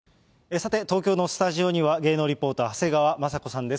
さて、東京のスタジオには芸能リポーター、長谷川まさ子さんです。